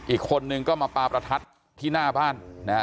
อีกคนนึงก็มาปลาประทัดที่หน้าบ้านนะฮะ